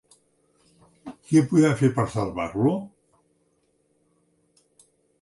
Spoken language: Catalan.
Què podem fer per salvar-lo?